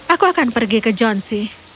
aku akan pergi ke johnsy